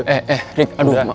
eh eh rik aduh masa naik bus